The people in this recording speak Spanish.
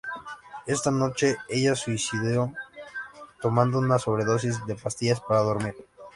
Esa noche ella se suicidó tomando una sobredosis de pastillas para dormir.